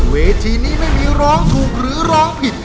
เวทีนี้ไม่มีร้องถูกหรือร้องผิด